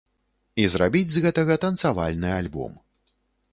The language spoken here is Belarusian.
І зрабіць з гэтага танцавальны альбом.